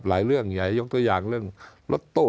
หลายเรื่องอย่ายกตัวอย่างเรื่องล็อตโต้